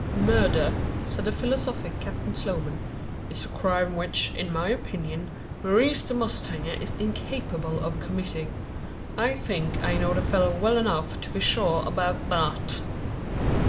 "Murder," said the philosophic Captain Sloman, "is a crime which, in my opinion, Maurice the mustanger is incapable of committing. I think, I know the fellow well enough to be sure about that."